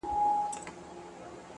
هڅاند ذهن نوې لارې مومي!